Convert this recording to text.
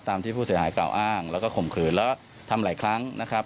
ที่ผู้เสียหายกล่าวอ้างแล้วก็ข่มขืนแล้วทำหลายครั้งนะครับ